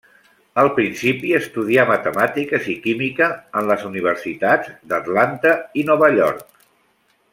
Al principi estudià matemàtiques i química en les Universitats d'Atlanta i Nova York.